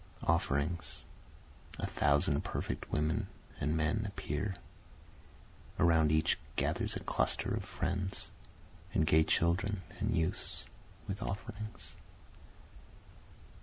Offerings A thousand perfect men and women appear, Around each gathers a cluster of friends, and gay children and youths, with offerings.